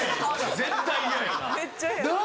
絶対嫌や。なぁ。